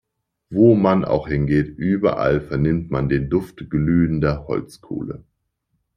Wo man auch hingeht, überall vernimmt man den Duft glühender Holzkohle.